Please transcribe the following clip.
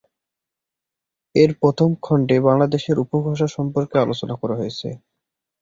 এর প্রথম খন্ডে বাংলাদেশের উপভাষা সম্পর্কে আলোচনা করা হয়েছে।